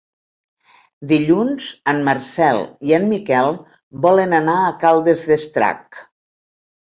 Dilluns en Marcel i en Miquel volen anar a Caldes d'Estrac.